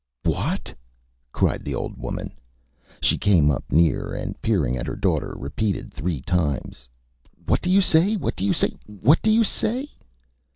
Â ÂWhat!Â cried the old woman. She came up near, and peering at her daughter, repeated three times: ÂWhat do you say? What do you say? What do you say?